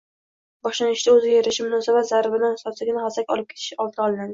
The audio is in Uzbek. — boshlanishida o‘ziga yarasha munosabat «zarbini» totsagina gazak olib ketishi oldi olinadi